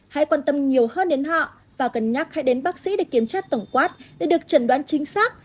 hãy quan tâm nhiều hơn đến họ và cần nhắc hãy đến bác sĩ để kiểm tra tổng quát để được chẩn đoán chính xác